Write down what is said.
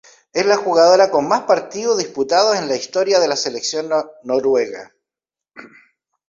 Es la jugadora con mas partidos disputados en la historia de la Selección Noruega.